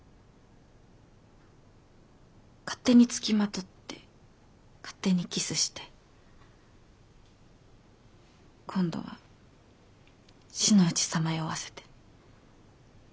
勝手に付きまとって勝手にキスして今度は死のふちさまよわせて。